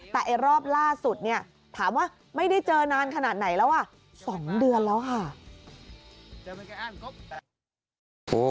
แต่รอบล่าสุดเนี่ยถามว่าไม่ได้เจอนานขนาดไหนแล้วอ่ะ๒เดือนแล้วค่ะ